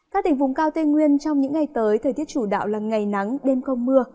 các tỉnh vùng cao tây nguyên trong những ngày tới thời tiết chủ đạo là ngày nắng đêm không mưa